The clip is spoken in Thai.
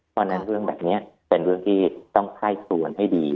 เพราะฉะนั้นเรื่องแบบนี้เป็นเรื่องที่ต้องไข้ครวนให้ดี